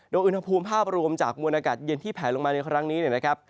โดยอุณหภูมิภาพรวมจากมวลอากาศเย็นที่แผลลงมาในครั้งนี้เนี่ยนะครับ